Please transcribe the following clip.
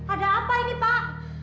ada apa ini pak